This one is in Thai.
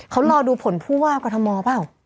เขารอดูผลผู้ว่ากรทมเปล่า